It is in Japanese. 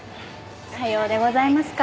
さようでございますか。